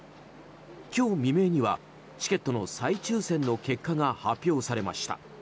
今日未明にはチケットの再抽選の結果が発表されました。